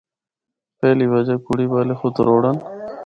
پہلی وجہ کڑی والے خود تروڑّن۔